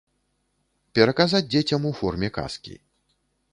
Пераказаць дзецям у форме казкі.